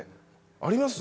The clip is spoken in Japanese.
あります？